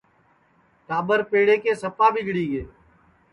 ٹاٻر پیڑے کے سپا ٻِگڑی گے